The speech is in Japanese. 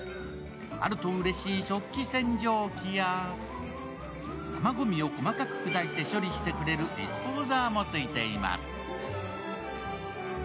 あるとうれしい食器洗浄機や生ごみを細かくくだいて処理してくれるディスポーザーもついています。